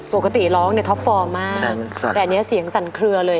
ปกติร้องในท็อป๔มากแต่อันนี้เสียงสั่นเคลือเลย